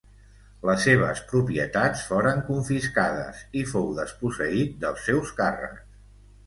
Les seves propietats foren confiscades i fou desposseït dels seus càrrecs.